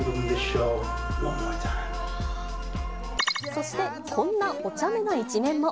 そして、こんなおちゃめな一面も。